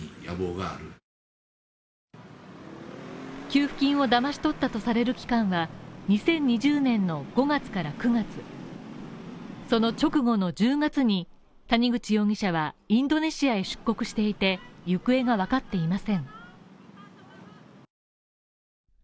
給付金をだまし取ったとされる期間は２０２０年の５月から９月その直後の１０月に谷口容疑者は、インドネシアへ出国していて行方がわかっていません。